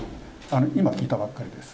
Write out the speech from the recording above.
今、聞いたばっかりです。